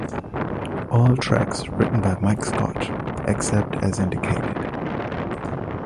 All tracks written by Mike Scott except as indicated.